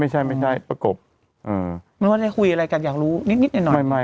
อ๋อไม่ใช่ปะกบมึงว่าได้คุยอะไรกันอยากรู้นิดหน่อย